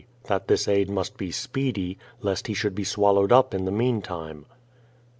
That this aid must be speedy, lest he should be swallowed up in the meantime. 4.